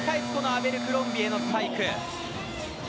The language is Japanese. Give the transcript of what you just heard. アベルクロンビエのスパイク。